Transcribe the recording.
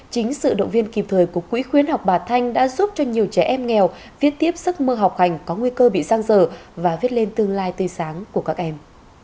chính sự động viên kịp thời của quỹ khuyến học bà thanh đã giúp cho nhiều trẻ em nghèo viết tiếp giấc mơ học hành có nguy cơ bị giang dở và viết lên tương lai tươi sáng của các em